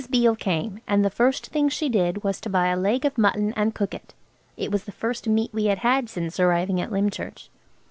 Beale came, and the first thing she did was to buy a leg of mutton and cook it. It was the first meat we had had since arriving at Lymchurch.